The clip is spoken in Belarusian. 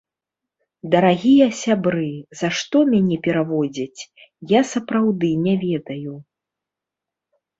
Дарагія сябры, за што мяне пераводзяць, я сапраўды не ведаю.